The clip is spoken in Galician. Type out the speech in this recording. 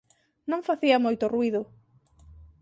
Non facía moito ruído.